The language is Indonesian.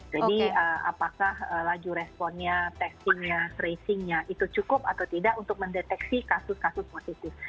jadi apakah laju responnya testingnya tracingnya itu cukup atau tidak untuk mendeteksi kasus kasus positif